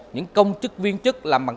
những công chức viên chức làm bằng